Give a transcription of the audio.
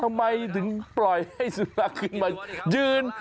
ทำไมถึงพลอยให้สุนัขคืนมันยืน